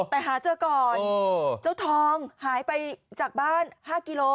แต่หาเจอก่อนเจ้าทองหายไปจากบ้าน๕กิโล